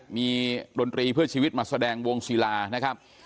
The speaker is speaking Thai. มีดนตรีเพื่อชีวิตมาแสดงวงศิลานะครับ